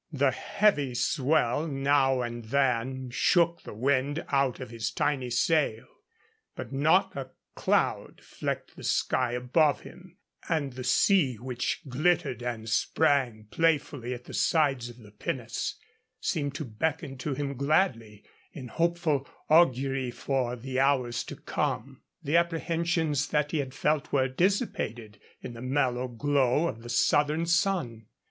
The heavy swell now and then shook the wind out of his tiny sail, but not a cloud flecked the sky above him, and the sea which glittered and sprang playfully at the sides of the pinnace seemed to beckon to him gladly in hopeful augury for the hours to come. The apprehensions that he had felt were dissipated in the mellow glow of the southern sun.